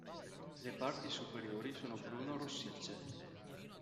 Le parti superiori sono bruno-rossicce.